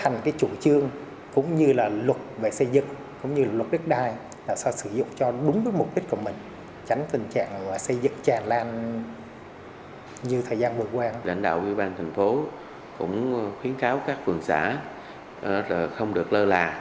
như thời gian vừa qua lãnh đạo ubnd thành phố cũng khuyến kháo các phường xã không được lơ là